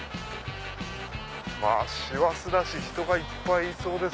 師走だし人がいっぱいいそう。